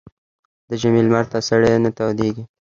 ـ د ژمي لمر ته سړى نه تودېږي.